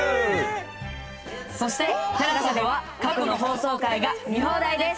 そしてＴＥＬＡＳＡでは過去の放送回が見放題です！